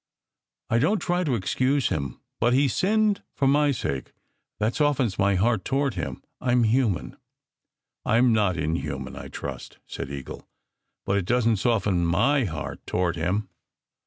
I don t try to excuse him. But he sinned for my sake. That softens my heart toward him. I m human !" "I m not inhuman, I trust," said Eagle, "but it doesn t soften my heart toward him."